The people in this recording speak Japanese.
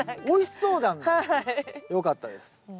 おいしそうな。よかったです。